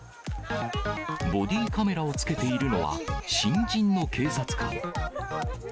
ボディカメラをつけているのは、新人の警察官。